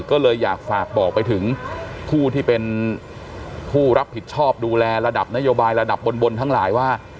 ก็เลยอยากฝากบอกไปถึงผู้ที่เป็นผู้รับผิดชอบดูแลระดับนโยบายระดับบนทั้งหลายว่า